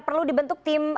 perlu dibentuk tim